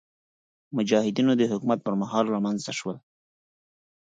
مجاهدینو د حکومت پر مهال رامنځته شول.